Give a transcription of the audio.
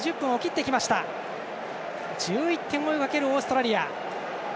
１１点を追いかけるオーストラリア。